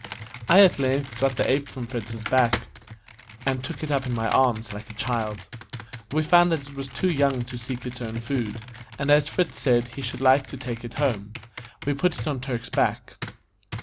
I at length got the ape from Fritz's back, and took it up in my arms like a child. We found that it was too young to seek its own food, and, as Fritz said he should like to take it home, we put it on Turk's back.